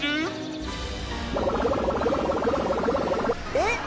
えっ！？